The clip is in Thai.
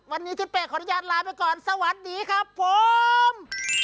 วันนี้ทิศเป้ขออนุญาตลาไปก่อนสวัสดีครับผม